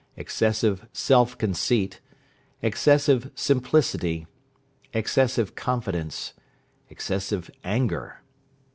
Excessive self conceit. Excessive simplicity. Excessive confidence. Excessive anger.